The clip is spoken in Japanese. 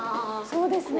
そうですね。